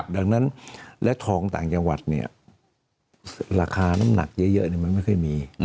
ดังนั้นและทองต่างจังหวัดราคาน้ำหนักเยอะมันไม่ค่อยมี